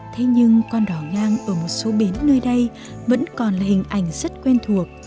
thế nhưng con đỏ ngang ở một số bến nơi đây vẫn còn là hình ảnh rất quen thuộc